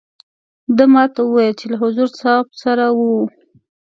ده ما ته وویل چې له حضور صاحب سره وو.